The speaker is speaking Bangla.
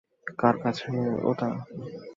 কার কাছে ওটা?